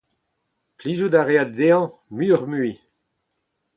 Plijout a rae dezhañ muioc’h-mui.